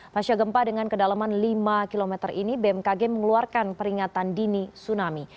pasca gempa dengan kedalaman lima km ini bmkg mengeluarkan peringatan dini tsunami